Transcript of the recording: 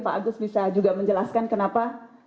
pak agus bisa juga menjelaskan kenapa